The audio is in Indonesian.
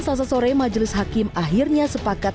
selasa sore majelis hakim akhirnya sepakat